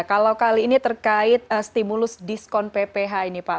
kalau kali ini terkait stimulus diskon pph ini pak